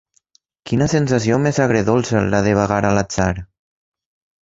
Quina sensació més agre-dolça, la de vagar a l'atzar